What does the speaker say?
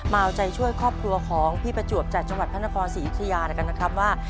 มาเอาใจช่วยครอบครัวของพี่ประจวบจากจังหวัดพระนครศรียุธยาแล้วกันนะครับว่า